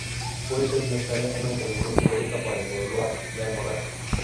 Puede ser necesaria una intervención quirúrgica para evacuar la hemorragia.